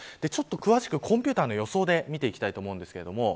詳しくコンピューターの予想で見ていきます。